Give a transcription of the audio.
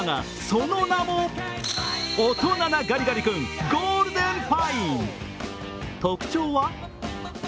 その名も大人なガリガリ君ゴールデンパイン。